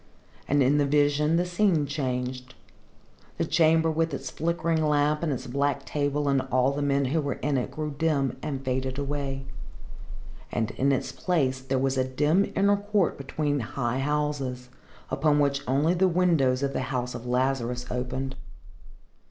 And in the vision the scene changed. The chamber with its flickering lamp and its black table and all the men who were in it grew dim and faded away, and in its place there was a dim inner court between high houses, upon which only the windows of the house of Lazarus opened.